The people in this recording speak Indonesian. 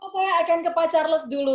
saya akan ke pak charles dulu